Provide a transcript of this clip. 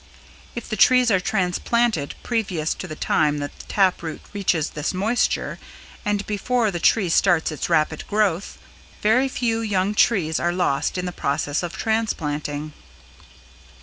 If the trees are transplanted previous to the time that the tap root reaches this moisture and before the tree starts its rapid growth, very few young trees are lost in the process of transplanting.